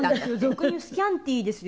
俗に言うスキャンティーですよ。